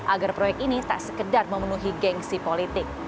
agar proyek ini tak sekedar memenuhi gengsi politik